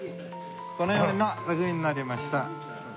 このような作品になりました。